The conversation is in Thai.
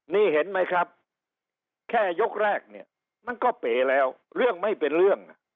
นี่เห็นไหมครับแค่ยกแรกเนี่ยมันก็เป๋แล้วเรื่องไม่เป็นเรื่อง